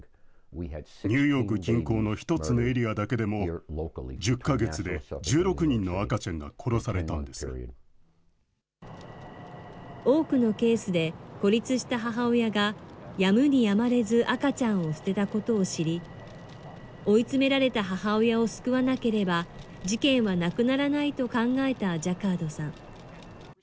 ニューヨーク近郊の１つのエリアだけでも、１０か月で１６人の赤多くのケースで、孤立した母親がやむにやまれず赤ちゃんを捨てたことを知り、追い詰められた母親を救わなければ、事件はなくならないと考えたジャカードさん。